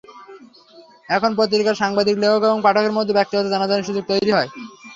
এখানে পত্রিকার সাংবাদিক, লেখক এবং পাঠকের মধ্যে ব্যক্তিগত জানাজানির সুযোগ তৈরি হয়।